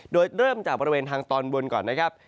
โดยเริ่มจากบริเวณทางตอนบนก่อนนะครับ